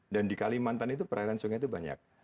dan di kalimantan itu perairan sungai itu banyak